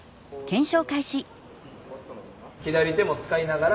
左手も使いながら。